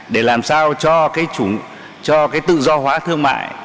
để làm sao cho cái tự do hóa thương mại